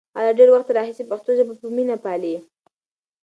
هغه له ډېر وخت راهیسې پښتو ژبه په مینه پالي.